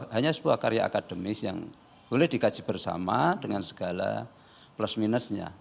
hanya sebuah karya akademis yang boleh dikaji bersama dengan segala plus minusnya